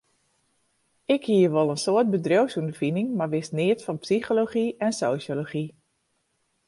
Ik hie wol in soad bedriuwsûnderfining, mar wist neat fan psychology en sosjology.